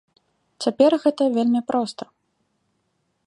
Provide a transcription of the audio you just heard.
Цяпер гэта вельмі проста!